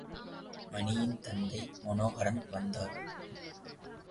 மணியின் தந்தை மனோகரன் வந்தார்.